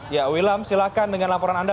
ya wilam silakan dengan laporan anda